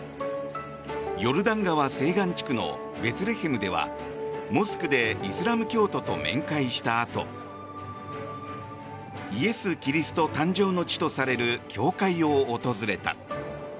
ヨルダン川西岸地区のベツレヘムではモスクでイスラム教徒と面会したあとイエス・キリスト誕生の地とされる教会を訪れた。